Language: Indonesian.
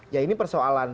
ya ini persoalan